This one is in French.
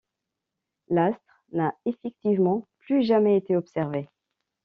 L'astre n'a effectivement plus jamais été observé.